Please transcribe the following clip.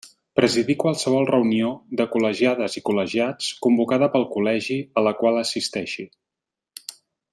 Presidir qualsevol reunió de les col·legiades i els col·legiats convocada pel Col·legi a la qual assisteixi.